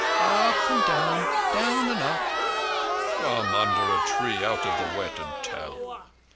"Up and down—down and up." "Come under a tree, out of the wet, and tell."